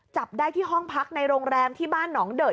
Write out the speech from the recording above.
จับได้ที่ห้องพักในโรงแรมที่บ้านหนองเดิด